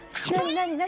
何？